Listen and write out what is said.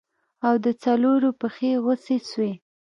او د څلورو پښې غوڅې سوې.